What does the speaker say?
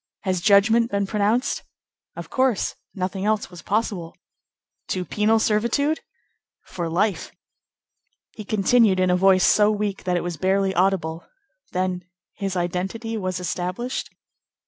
Has judgment been pronounced?" "Of course. Nothing else was possible." "To penal servitude?" "For life." He continued, in a voice so weak that it was barely audible:— "Then his identity was established?"